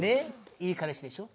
いい彼氏でしょ？